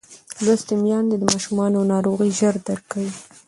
لوستې میندې د ماشوم ناروغۍ ژر درک کوي.